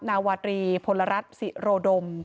นาวาตรีพลรัฐศิโรดม